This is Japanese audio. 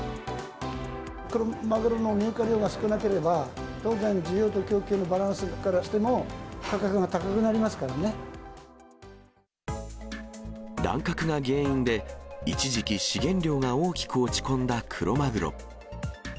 クロマグロの入荷量が少なければ、当然、需要と供給のバランスからしても、価格が高くなりま乱獲が原因で、一時期資源量が大きく落ち込んだクロマグロ。